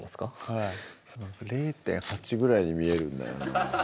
はい０．８ぐらいに見えるんだよな